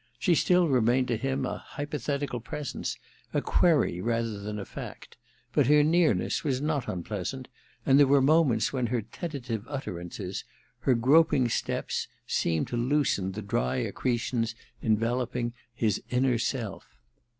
She still remained to him a hypothetical presence, a query rather than a fact ; but her nearness was not unpleasant, and there were moments when her tentative utterances, her groping steps, seemed to loosen the dry accretibns enveloping his inner self.